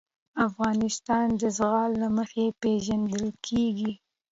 افغانستان د زغال له مخې پېژندل کېږي.